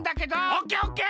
オッケーオッケー。